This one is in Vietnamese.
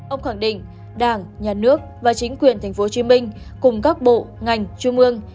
ông khẳng định đảng nhà nước và chính quyền tp hcm cùng các bộ ngành trung ương